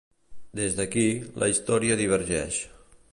Des d'aquí, la història divergeix.